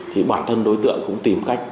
thì bản thân đối tượng cũng tìm cách